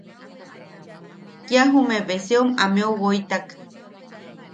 Kia jume beseom ameu woitak.